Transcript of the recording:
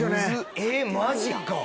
えっマジか。